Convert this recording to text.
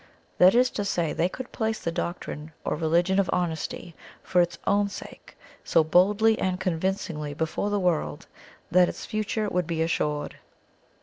That is to say, they could place the doctrine or religion of Honesty for its own sake so boldly and convincingly before the world that its future would be assured.